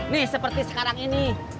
nih seperti sekarang ini